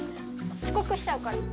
ちこくしちゃうから。